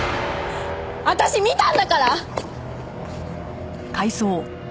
私見たんだから！